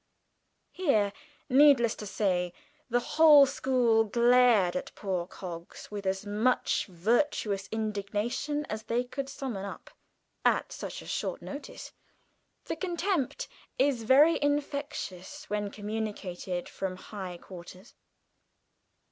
Here, needless to say, the whole school glared at poor Coggs with as much virtuous indignation as they could summon up at such short notice; for contempt is very infectious when communicated from high quarters.